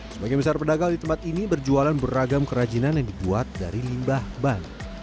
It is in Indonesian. sebagian besar pedagang di tempat ini berjualan beragam kerajinan yang dibuat dari limbah ban